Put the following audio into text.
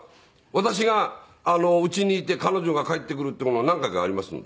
私が家にいて彼女が帰ってくるっていう事が何回かありますので。